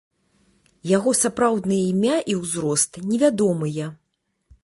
Яго сапраўднае імя і ўзрост невядомыя.